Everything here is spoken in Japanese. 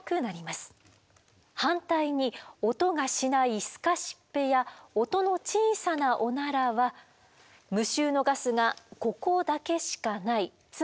反対に音がしないすかしっぺや音の小さなオナラは無臭のガスがここだけしかないつまり少ない状態です。